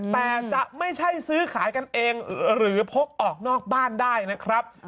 แต่จะไม่ใช่ซื้อขายกันเองหรือพกออกนอกบ้านได้นะครับ